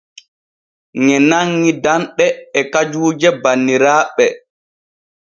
Ŋe nanŋi danɗe e kajuuje banniraaɓe.